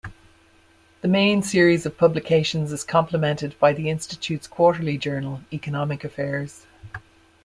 The main series of publications is complemented by the Institute's quarterly journal "Economic Affairs".